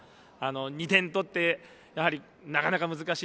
２点取って、なかなか難しい。